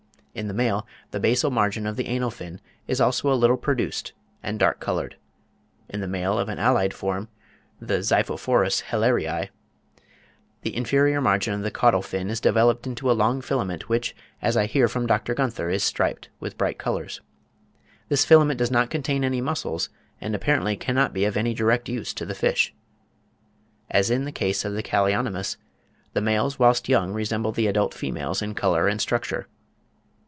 In the male the basal margin of the anal fin is also a little produced and dark coloured. In the male of an allied form, the Xiphophorus Hellerii (Fig. 30), the inferior margin of the caudal fin is developed into a long filament, which, as I hear from Dr. Gunther, is striped with bright colours. This filament does not contain any muscles, and apparently cannot be of any direct use to the fish. As in the case of the Callionymus, the males whilst young resemble the adult females in colour and structure.